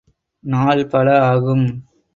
நாள் பல ஆகும்.